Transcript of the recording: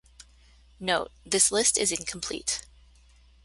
Note: This list is incomplete.